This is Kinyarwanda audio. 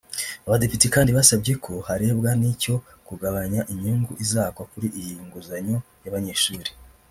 Abadepite kandi basabye ko harebwa n’icyo kugabanya inyungu izakwa kuri iyi nguzanyo y’abanyeshuli